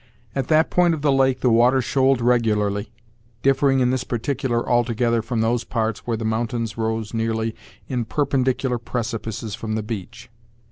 At that point of the lake the water shoaled regularly differing in this particular altogether from those parts where the mountains rose nearly in perpendicular precipices from the beach.